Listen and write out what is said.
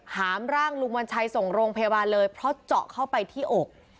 หามร่างลุงวัญชัยส่งโรงพยาบาลเลยเพราะเจาะเข้าไปที่อก